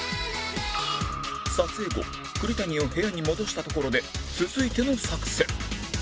撮影後栗谷を部屋に戻したところで続いての作戦